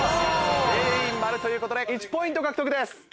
全員丸ということで１ポイント獲得です。